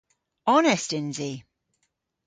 Onest yns i.